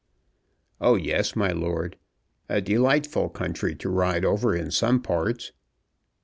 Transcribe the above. "Oh, yes, my lord; a delightful country to ride over in some parts.